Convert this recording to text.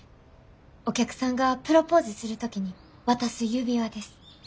お客さんがプロポーズする時に渡す指輪です。